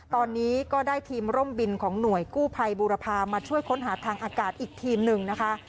ตอนนี้ก็ได้ทีมร่มบินของหน่วยกู้ภัยบูรพามาช่วยค้นหาทางอากาศอีกทีมหนึ่งนะคะ